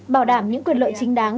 bảo đảm những quyền lợi chính đáng